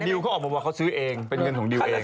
เขาออกมาว่าเขาซื้อเองเป็นเงินของดิวเอง